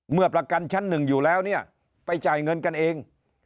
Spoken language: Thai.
เมื่อประกันชั้นหนึ่งอยู่แล้วเนี่ยไปจ่ายเงินกันเอง